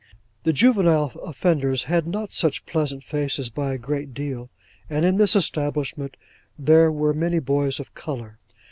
The juvenile offenders had not such pleasant faces by a great deal, and in this establishment there were many boys of colour.